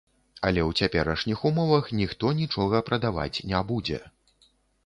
Але ў цяперашніх умовах ніхто нічога прадаваць не будзе.